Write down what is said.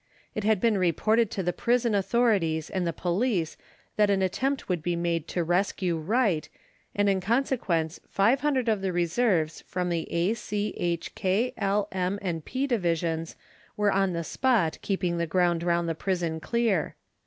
It had been reported to the prison authorities and the police that an attempt would be made to rescue Wright, and in consequence 500 of the reserves from the A, C, H, K, L, M, and P divisions were on the spot keeping the ground round the prison clear.